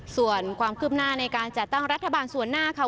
ส่วนความคืบหน้าในการจัดตั้งรัฐบาลส่วนหน้าค่ะ